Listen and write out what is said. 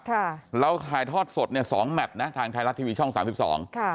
ค่ะเราถ่ายทอดสดเนี้ยสองแมทนะทางไทยรัฐทีวีช่องสามสิบสองค่ะ